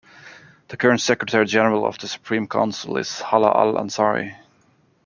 The current Secretary General of the Supreme Council is Hala Al Ansari.